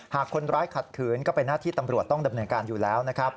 หากคนร้ายขัดขืนก็เป็นหน้าที่ตำรวจต้องดำเนินการอยู่แล้วนะครับ